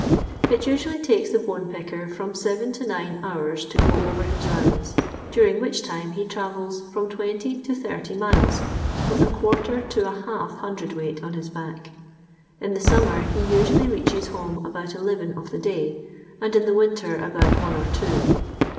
It usually takes the bone picker from seven to nine hours to go over his rounds, during which time he travels from 20 to 30 miles with a quarter to a half hundredweight on his back. In the summer be usually reaches home about eleven of the day, and in the wmter about one or two.